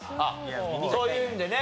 そういうのでね。